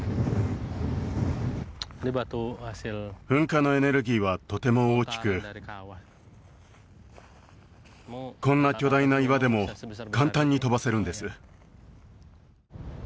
噴火のエネルギーはとても大きくこんな巨大な岩でも簡単に飛ばせるんです